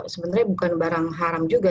sebenarnya bukan barang haram juga